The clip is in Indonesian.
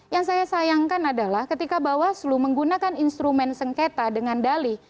yang saya sayangkan adalah ketika bawaslu menggunakan instrumen sengketa dengan dali